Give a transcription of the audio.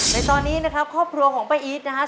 ในตอนนี้นะครับครอบครัวของป้าอีทนะครับ